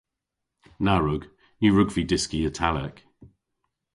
Na wrug. Ny wrug vy dyski Italek.